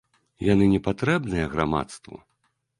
Яны не патрэбныя грамадству?